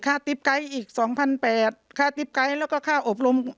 ค่าติ๊ปไกท์อีกสองพันแปดค่าติ๊ปไกท์แล้วก็ค่าอบรม